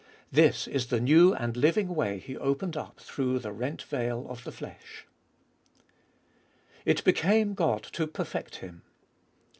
This is the new and living way He opened up through the rent veil of the flesh. 2. "It became God to perfect Him."